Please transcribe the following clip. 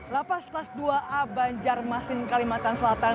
lapas kelas dua a banjarmasin kalimantan selatan